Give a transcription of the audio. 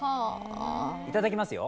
いただきますよ。